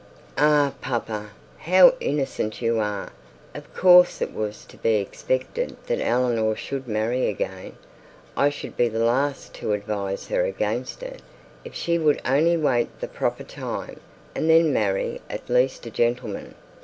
'Ah, papa, how innocent you are! Of course it was to be expected that Eleanor should marry again. I should be the last to advise her against it, if she would only wait the proper time, and then marry at least a gentleman.'